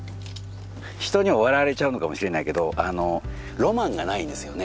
人には笑われちゃうのかもしれないけどロマンがないんですよね